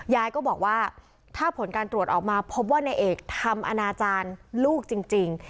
ยายก็บอกว่าถ้าผลการตรวจออกมาพบว่านายเอกทำอนาจารย์ลูกจริง